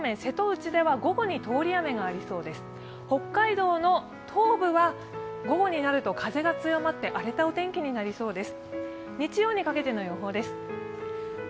北海道の東部は午後になると風が強まって荒れたお天気になりそうです。